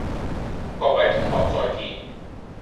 各位同學再見